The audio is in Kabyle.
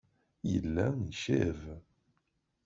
Yella icab.